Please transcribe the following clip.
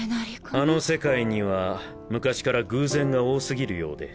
あの世界には昔から偶然が多過ぎるようで。